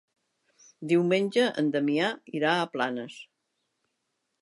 Diumenge en Damià irà a Planes.